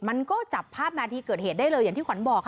มันก็จับภาพนาทีเกิดเหตุได้เลยอย่างที่ขวัญบอก